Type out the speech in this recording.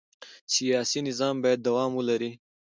سیاسي نظام باید دوام ولري